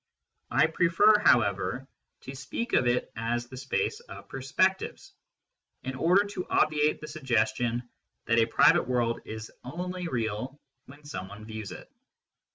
I prefer, however, to speak of it as the space of perspectives, in order to obviate the suggestion that a private world is only real when someone views it.